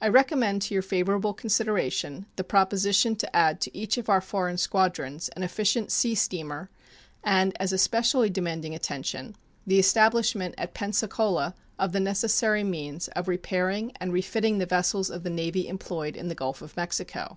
I recommend to your favorable consideration the proposition to add to each of our foreign squadrons an efficient sea steamer, and, as especially demanding attention, the establishment at Pensacola of the necessary means of repairing and refitting the vessels of the Navy employed in the Gulf of Mexico.